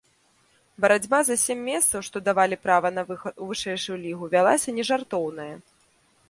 Барацьба за сем месцаў, што давалі права на выхад у вышэйшую лігу, вялася нежартоўная.